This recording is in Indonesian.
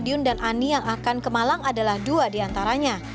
madiun dan ani yang akan ke malang adalah dua di antaranya